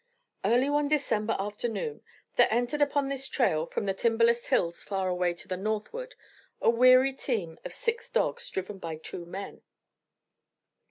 Early one December afternoon there entered upon this trail from the timberless hills far away to the northward a weary team of six dogs, driven by two men.